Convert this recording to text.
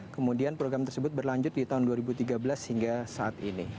kemudian program tersebut berlanjut di tahun dua ribu tiga belas hingga saat ini